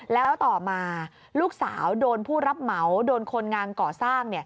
แล้วต่อมาลูกสาวโดนผู้รับเหมาโดนคนงานก่อสร้าง